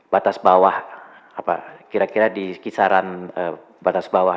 batas bawah kira kira di kisaran batas bawah